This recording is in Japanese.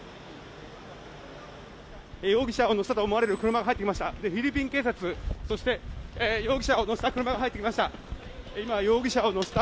容疑者を乗せたと思われる車が入ってきました。